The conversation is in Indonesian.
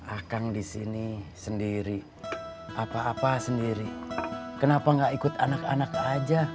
akang di sini sendiri apa apa sendiri kenapa gak ikut anak anak aja